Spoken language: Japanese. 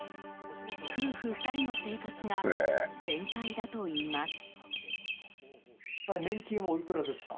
夫婦２人の生活が限界だといいます。